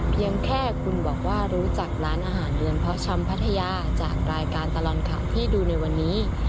เพียงแค่คุณบอกว่ารู้จักร้านอาหารเดือนเพาะชำพัทยาจากรายการตลอดข่าวที่ดูในวันนี้